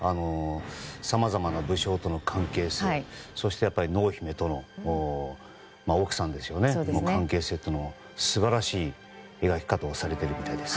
さまざまな武将との関係性そして濃姫との奥さんとの関係性も素晴らしい描き方をされているみたいです。